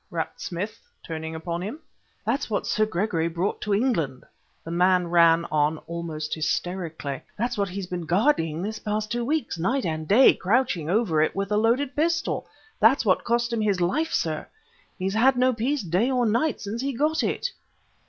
rapped Smith, turning upon him. "That's what Sir Gregory brought to England," the man ran on almost hysterically; "that's what he's been guarding this past two weeks, night and day, crouching over it with a loaded pistol. That's what cost him his life, sir. He's had no peace, day or night, since he got it...."